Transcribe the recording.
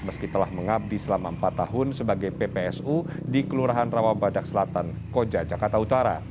meski telah mengabdi selama empat tahun sebagai ppsu di kelurahan rawabadak selatan koja jakarta utara